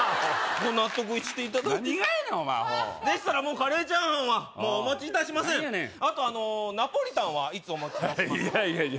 ご納得していただいて何がやねんお前アホでしたらもうカレーチャーハンはもうお持ちいたしません何やねんあとナポリタンはいつお持ちいたしますかいやいやいや